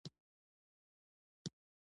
په دې سره به مو بدۍ له منځه لاړې شي.